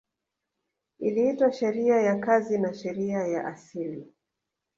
Iliitwa sheria ya kazi na sheria ya asili